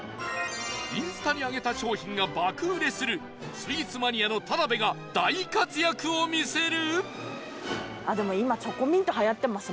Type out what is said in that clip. インスタに上げた商品が爆売れするスイーツマニアの田辺が大活躍を見せる？